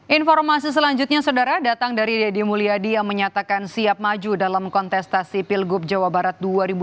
informasi selanjutnya saudara datang dari deddy mulyadi yang menyatakan siap maju dalam kontestasi pilgub jawa barat dua ribu delapan belas